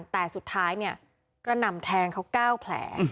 แต่สุดท้ายนี่ก็นำแทงเขาก้าวแผล